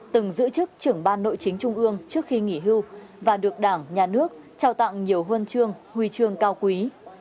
từng giữ chức trưởng ban nội chính trung ương trước khi nghỉ hưu và được đảng nhà nước trao tặng nhiều huân chương huy chương cao quý